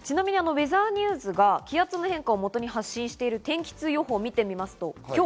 ウェザーニューズが気圧の変化をもとに発信している天気痛予報です。